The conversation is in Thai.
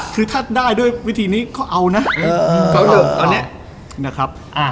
คือถ้าได้ด้วยวิธีนี้ก็เอานะ